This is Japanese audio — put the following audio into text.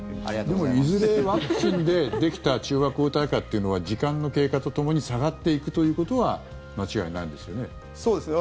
でも、いずれワクチンでできた中和抗体価というのは時間の経過とともに下がっていくということは間違いないんですよね。